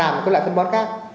mà nó dùng